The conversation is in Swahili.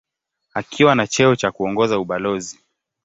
Akiwa na cheo cha kuongoza ubalozi.